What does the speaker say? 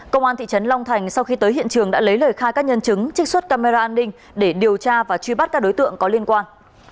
công an thị trấn long thành sau khi tới hiện trường đã lấy lời khai các nhân chứng trích xuất camera an ninh để điều tra và truy bắt các đối tượng có liên quan